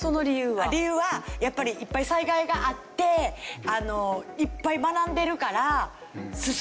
理由はやっぱりいっぱい災害があっていっぱい学んでるから進んでるの。